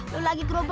pakai otak otak apa